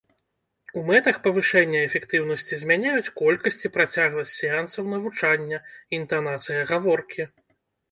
У мэтах павышэння эфектыўнасці змяняюць колькасць і працягласць сеансаў навучання, інтанацыя гаворкі.